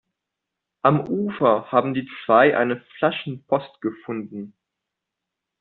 Am Ufer haben die zwei eine Flaschenpost gefunden.